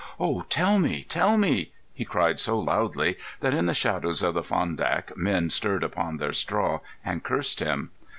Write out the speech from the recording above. "Oh, tell me! Tell me!" he cried so loudly that in the shadows of the Fondak men stirred upon their straw and cursed him.